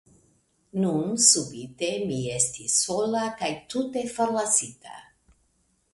Nun subite mi estis sola kaj tute forlasita.